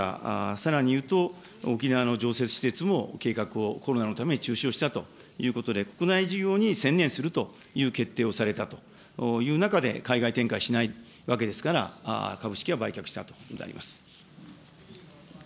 さらに言うと、沖縄の常設施設も計画をコロナのために中止をしたということで、国内事業に専念するという決定をされたという中で、海外展開しないわけですから、株式は売却したということであります。